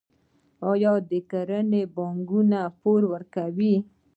آیا د کرنې بانک پور ورکوي؟